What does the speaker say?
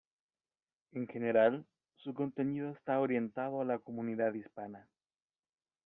En general, su contenido está orientado a la comunidad hispana.